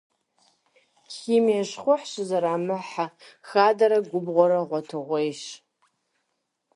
Химие щхъухь щызэрамыхьэ хадэрэ губгъуэрэ гъуэтыгъуейщ.